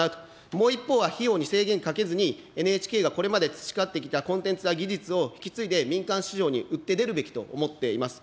もう一方は費用に制限かけずに、ＮＨＫがこれまで培ってきたコンテンツや技術を引き継いで、民間市場に打って出るべきと思っています。